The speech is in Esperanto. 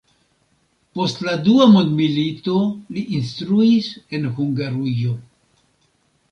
Post la dua mondmilito li instruis en Hungarujo.